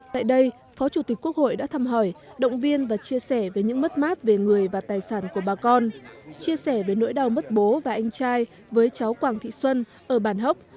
tại đây phó chủ tịch quốc hội đã thăm hỏi động viên và chia sẻ về những mất mát về người và tài sản của bà con chia sẻ về nỗi đau mất bố và anh trai với cháu quảng thị xuân ở bản hốc